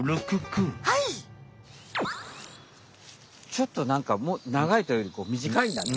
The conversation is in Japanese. ちょっとなんか長いというよりみじかいんだね